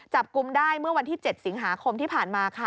จับกลุ่มได้เมื่อวันที่๗สิงหาคมที่ผ่านมาค่ะ